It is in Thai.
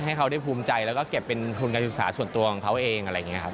ให้เขาได้ภูมิใจแล้วก็เก็บเป็นคุณการศึกษาส่วนตัวของเขาเอง